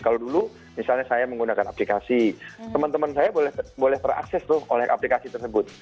kalau dulu misalnya saya menggunakan aplikasi teman teman saya boleh terakses tuh oleh aplikasi tersebut